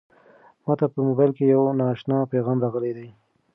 ما ته په موبایل کې یو نااشنا پیغام راغلی دی.